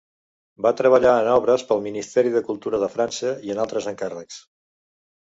Va treballar en obres pel Ministeri de Cultura de França i en altres encàrrecs.